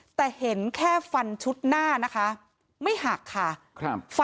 แต่เห็นแค่ฟันชุดหน้านะคะไม่หักค่ะครับ